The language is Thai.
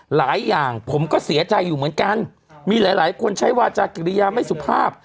หลายอย่างผมก็เสียใจอยู่เหมือนกันมีหลายหลายคนใช้วาจากกิริยาไม่สุภาพ